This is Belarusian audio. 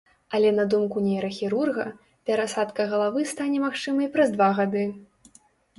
Але на думку нейрахірурга, перасадка галавы стане магчымай праз два гады.